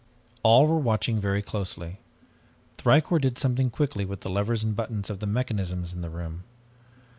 "All were watching very closely. Thicourt did something quickly with the levers and buttons of the mechanisms in the room.